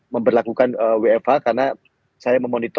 memperlakukan wfh karena saya memonitor